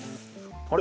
あれ？